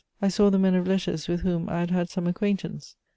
I saw the men of letters with whom I had had some acquaintance.